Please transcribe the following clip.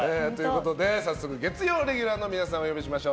早速、月曜レギュラーの皆様をお呼びしましょう。